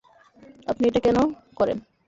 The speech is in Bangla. আপনি এটা কেন করেন?